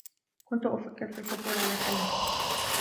كنت أفكر في الحصول على كلب.